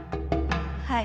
はい。